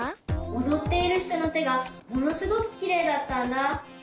おどっているひとのてがものすごくきれいだったんだ。